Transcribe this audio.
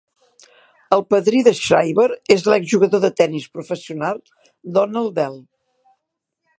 El padrí de Shriver és l'ex-jugador de tenis professional Donald Dell.